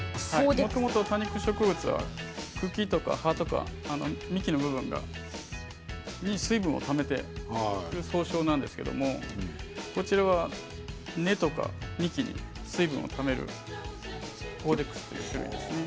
もともと多肉植物は茎とか葉とか幹の部分が水分をためて総称なんですけれどこちらは根っことか幹に水分をためるそういう種類なんですね。